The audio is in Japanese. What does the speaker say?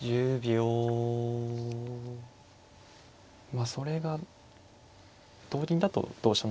まあそれが同銀だと同飛車